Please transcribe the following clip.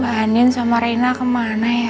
bah andien sama reina kemana ya